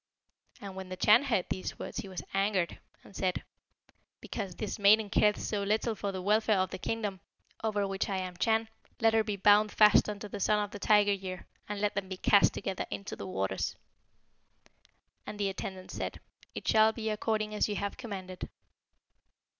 "And when the Chan heard these words, he was angered, and said, 'Because this maiden careth so little for the welfare of the kingdom, over which I am Chan, let her be bound fast unto the Son of the Tiger year, and let them be cast together into the waters.' And the attendants said, 'It shall be according as you have commanded.'